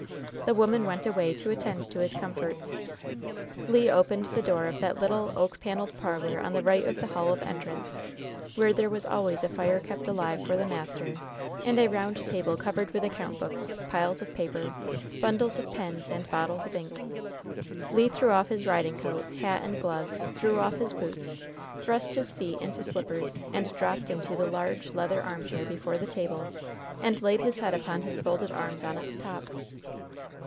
The woman went away to attend to his comforts. Le opened the door of that little, oak paneled parlor on the right of the hall of entrance, where there was always a fire kept alive for the master, and a round table covered with account books, piles of paper, bundles of pens and bottles of ink. Le threw off his riding coat, hat and gloves, drew off his boots, thrust his feet into slippers, and dropped into the large, leather armchair before the table, and laid his head upon his folded arms on its top.